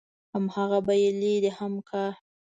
همغه به يې لرې هم کا.